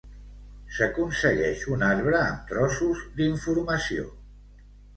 S'aconsegueix un arbre amb trossos d'informació.